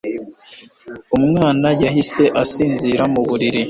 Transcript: Umwana yahise asinzira mu buriri